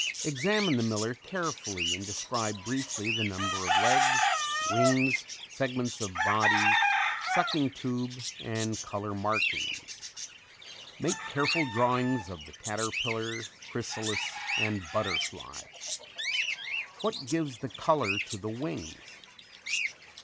Examine the miller carefully and describe briefly the number of legs, wings, segments of body, sucking tube and color markings. Make careful drawings of the caterpillar, chrysalis and butterfly. What gives the color to the wings?